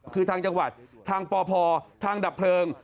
คือทางจังหวัดทางปพทางดับเพลิง